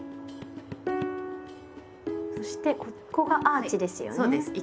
そしてここがアーチですよね？